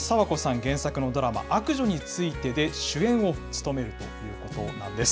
原作のドラマ、悪女についてで主演を務めるということなんです。